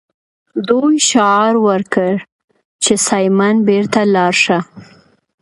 دوی شعار ورکړ چې سایمن بیرته لاړ شه.